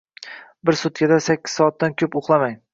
Bir sutkada sakkiz soatdan ko‘p uxlamang.